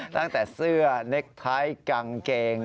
ตั้งแต่เสื้อเน็กไทท์กางเกง